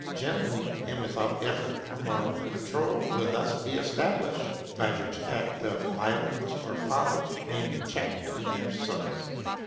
Gently and without effort a moral control will thus be established, by which acts of violence or folly may be checked in their source.